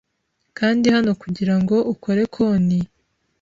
Kanda hano kugirango ukore konti.